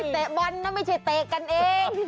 เตะบอลนะไม่ใช่เตะกันเอง